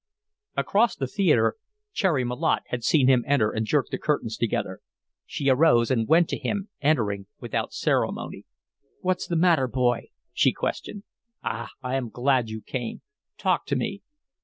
Across the theatre Cherry Malotte had seen him enter and jerk the curtains together. She arose and went to him, entering without ceremony. "What's the matter, boy?" she questioned. "Ah! I am glad you came. Talk to me."